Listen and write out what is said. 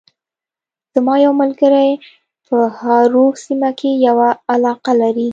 زما یو ملګری په هارو سیمه کې یوه علاقه لري